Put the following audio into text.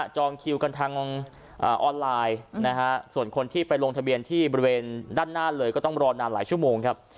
จองคิวกันทางออนไลน์นะฮะส่วนคนที่ไปลงทะเบียนที่บริเวณด้านหน้าเลยก็ต้องรอนานหลายชั่วโมงครับ